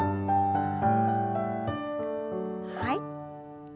はい。